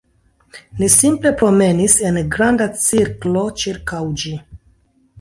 Ni simple promenis en granda cirklo ĉirkaŭ ĝi